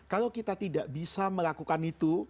kalau kita tidak bisa melakukan itu